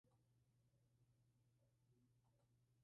Ambos padres nacieron en Israel.